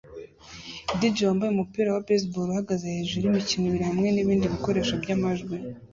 DJ wambaye umupira wa baseball uhagaze hejuru yimikino ibiri hamwe nibindi bikoresho byamajwi